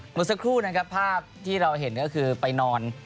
เมื่อสักครู่นะครับภาพที่เราเห็นก็คือไปนอน